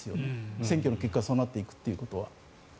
選挙の結果がそうなっていくということは。